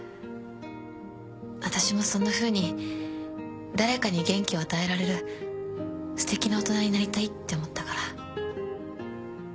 私もそんなふうに誰かに元気を与えられるすてきな大人になりたいって思ったから。